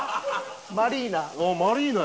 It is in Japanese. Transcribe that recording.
マリーナ？